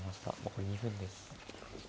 残り２分です。